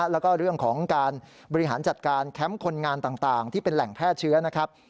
แล้วก็เรื่องของการบริหารจัดการแคมป์คนงานต่างที่เป็นแหล่งแพร่เชื้อนะครับ